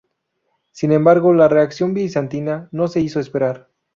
Sin embargo, la reacción bizantina no se hizo esperar.